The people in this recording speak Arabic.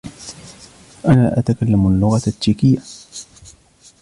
أنا أتعلم اللغة التشيكية.